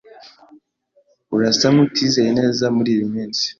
Urasa nkutizeye neza muriyi minsi.